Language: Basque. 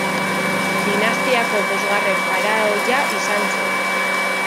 Dinastiako bosgarren faraoia izan zen.